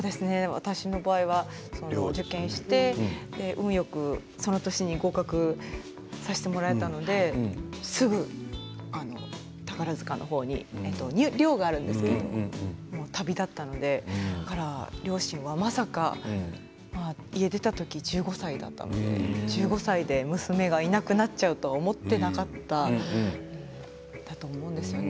私の場合は受験して運よくその年に合格させてもらえたので宝塚の方に寮があるんですけど旅立ったので両親はまさか家を出た時１５歳だったので１５歳で娘がいなくなっちゃうとは思っていなかったと思うんですよね。